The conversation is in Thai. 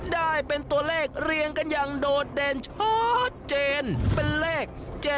ได้เป็นตัวเลขเรียงกันอย่างโดดเด่นชัดเจนเป็นเลข๗๗